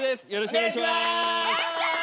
お願いします！